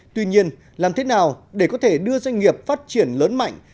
tuy nhiên làm thế nào để có thể đưa doanh nghiệp phát triển lớn mạnh